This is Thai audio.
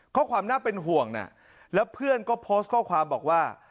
ความน่าเป็นห่วงนะแล้วเพื่อนก็โพสต์ข้อความบอกว่า